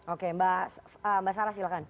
oke mbak sarah silahkan